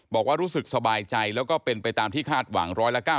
บอกว่ารู้สึกสบายใจแล้วก็เป็นไปตามที่คาดหวัง๑๙